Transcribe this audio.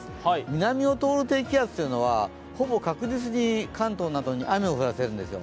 南を通る低気圧というのは、ほぼ確実に関東などに雨を降らせるんですよ。